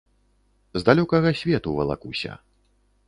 З далёкага свету валакуся.